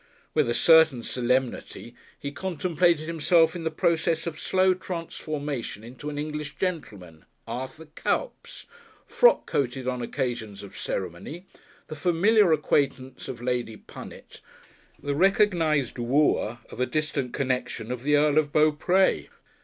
With a certain solemnity he contemplated himself in the process of slow transformation into an English gentleman, Arthur Cuyps, frock coated on occasions of ceremony, the familiar acquaintance of Lady Punnet, the recognised wooer of a distant connection of the Earl of Beaupres.